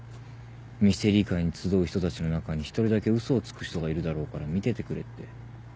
ミステリー会に集う人たちの中に１人だけ嘘をつく人がいるだろうから見ててくれって。